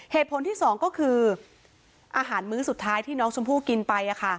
เหตุผลที่สองก็คืออาหารมื้อสุดท้ายที่น้องชมพู่กินไป